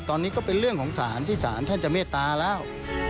ตอนนี้ก็เป็นเรื่องของศาลที่ศาลท่านจะเมตตาแล้ว